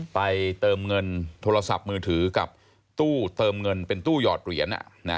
เติมเงินโทรศัพท์มือถือกับตู้เติมเงินเป็นตู้หยอดเหรียญ